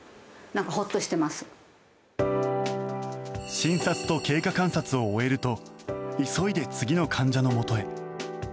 診察と経過観察を終えると急いで次の患者のもとへ。